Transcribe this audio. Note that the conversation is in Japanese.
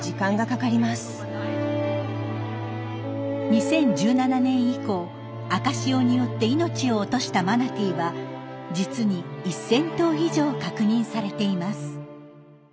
２０１７年以降赤潮によって命を落としたマナティーは実に１，０００頭以上確認されています。